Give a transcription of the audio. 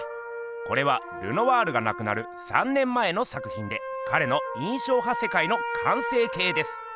これはルノワールがなくなる３年前の作ひんでかれの印象派世界の完成形です。